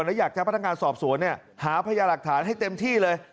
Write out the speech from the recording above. และอยากจะพนักงานสอบสวนหาพยาหลักฐานให้เต็มที่เลย